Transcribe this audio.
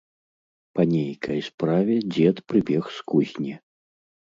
Па нейкай справе дзед прыбег з кузні.